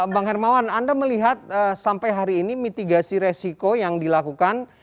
bang hermawan anda melihat sampai hari ini mitigasi resiko yang dilakukan